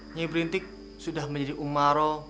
nyai berintik sudah menjadi umaro